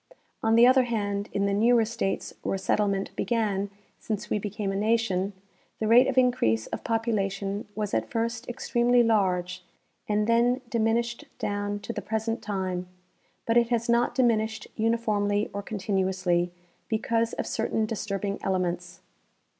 On the other hand, in the newer states Avhere settlement began since we became a nation, the rate of increase of population was at first extremely large and then diminished down to the present time ; but it has not diminished uniformly or continuously, be cause of certain disturbing elements.